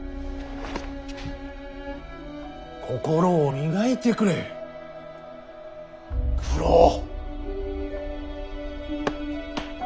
心を磨いてくれ九郎。